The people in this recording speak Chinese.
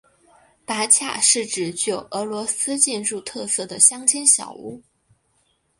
达恰是指具有俄罗斯建筑特色的乡间小屋。